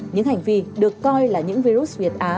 những hành vi được coi là những virus việt á